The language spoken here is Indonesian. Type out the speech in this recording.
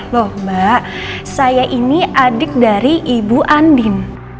loh mbak saya ini adik dari ibu andin